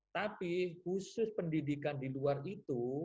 tapi khusus pendidikan di luar itu